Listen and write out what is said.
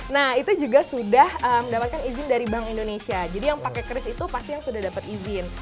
nah itu juga sudah mendapatkan izin dari bank indonesia jadi yang pakai kris itu pasti yang sudah dapat izin